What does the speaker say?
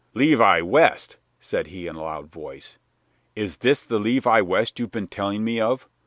"Levi West!" said he in a loud voice. "Is this the Levi West you've been telling me of?